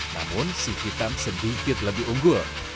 namun si hitam sedikit lebih unggul